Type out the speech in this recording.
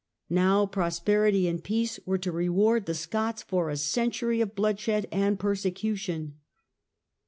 Now prosperity and peace were to reward the Scots for a century of bloodshed and persecu tion.